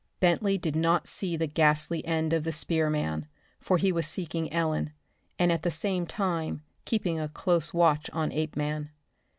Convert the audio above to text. Bentley did not see the ghastly end of the spearman, for he was seeking Ellen, and at the some time keeping a close watch on Apeman.